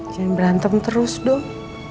jangan berantem terus dong